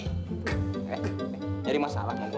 eh nyari masalah sama gua